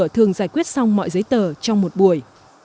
thường giải quyết xong mọi giấy tờ trong một buổi